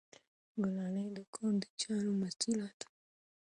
ګلالۍ د کور د چارو مسؤله ده.